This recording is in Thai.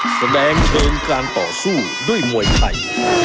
แสดงเชิงการต่อสู้ด้วยมวยไทย